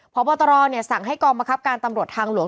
พอบอตรอเนี่ยสั่งให้กองประคับการตำรวจทางหลง